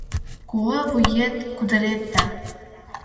Куэ вует кудырет да